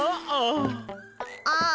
ああ。